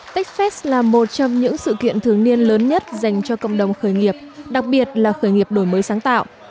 techfest là một trong những sự kiện thường niên lớn nhất dành cho cộng đồng khởi nghiệp đặc biệt là khởi nghiệp đổi mới sáng tạo